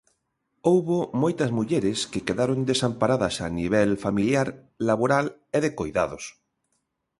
Houbo moitas mulleres que quedaron desamparadas a nivel familiar, laboral e de coidados.